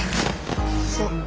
そう。